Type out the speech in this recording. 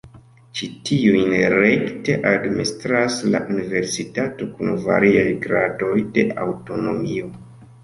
Ĉi tiujn rekte administras la universitato kun variaj gradoj de aŭtonomio.